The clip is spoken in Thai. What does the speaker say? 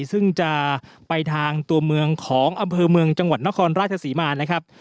ซึ่งจะไปทางตัวเมืองของอำเภอเมืองจังหวัดนครราชศรีมานะครับ